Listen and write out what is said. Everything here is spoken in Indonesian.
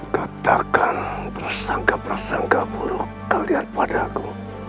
katakan persangka persangka buruk kalian padaku